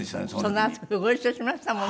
そのあとご一緒しましたもんね。